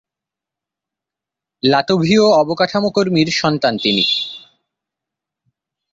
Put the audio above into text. লাতভীয় অবকাঠামো কর্মীর সন্তান তিনি।